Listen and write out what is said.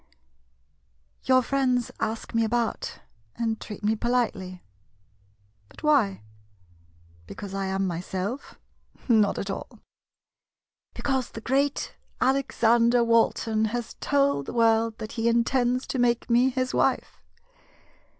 ] Your friends ask me about, and treat me politely — but why — because I am myself ?— Not at all — because the great Alexander Walton has told the world that he intends to make me his wife.